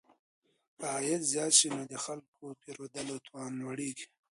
که عايد زيات سي نو د خلګو د پيرودلو توان لوړيږي.